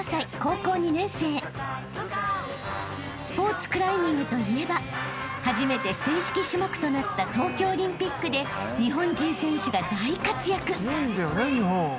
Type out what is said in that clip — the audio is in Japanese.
［スポーツクライミングといえば初めて正式種目となった東京オリンピックで日本人選手が大活躍］